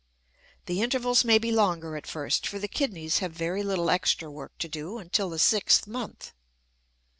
The intervals may be longer at first, for the kidneys have very little extra work to do until the sixth month.